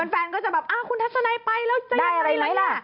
แฟนก็จะแบบคุณทัศนัยไปแล้วจะยังไงไหมล่ะ